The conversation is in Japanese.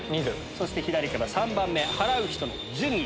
そして左から３番目払う人の順位。